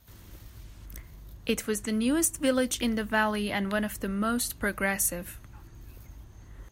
It was the newest village in the valley and one of the most progressive.